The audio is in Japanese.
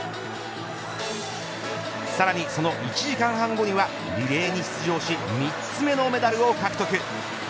さらに、その１時間半後にはリレーに出場し３つ目のメダルを獲得。